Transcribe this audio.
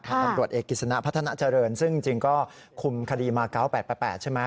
ตำรวจเอกกิจสนะพัฒนาเจริญซึ่งจริงก็คุมคดีมา๙๘๘ใช่ไหม